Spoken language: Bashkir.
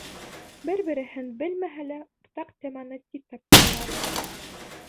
Бер-береһен белмәһә лә, уртаҡ теманы тиҙ тапты улар.